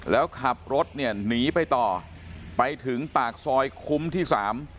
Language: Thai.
แล้วขับรถเนี่ยหนีไปต่อไปถึงปากซอยคุ้มที่สาม